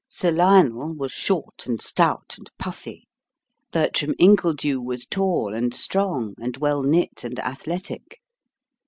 Sir Lionel was short and stout and puffy; Bertram Ingledew was tall and strong and well knit and athletic.